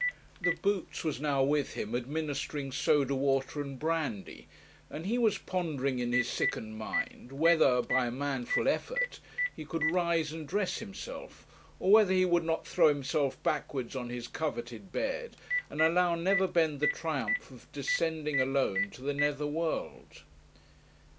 The boots was now with him administering soda water and brandy, and he was pondering in his sickened mind whether, by a manful effort, he could rise and dress himself; or whether he would not throw himself backwards on his coveted bed, and allow Neverbend the triumph of descending alone to the nether world.